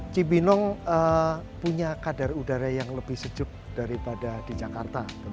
cibinong punya kadar udara yang lebih sejuk daripada di jakarta